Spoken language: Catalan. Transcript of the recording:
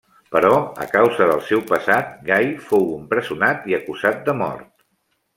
Però a causa del seu passat Gai fou empresonat i acusat de mort.